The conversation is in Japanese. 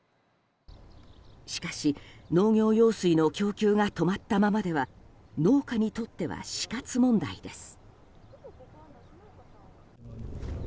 しかし、農業用水の供給が止まったままでは農家にとっては死活問題です。